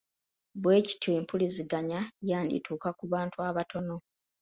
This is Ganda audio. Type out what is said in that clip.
Bw’ekityo empuliziganya yandituuka ku bantu abatono.